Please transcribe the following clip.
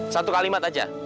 satu kalimat aja